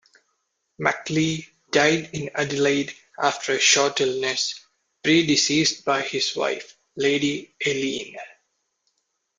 McLeay died in Adelaide after a short illness, predeceased by his wife, Lady Eileen.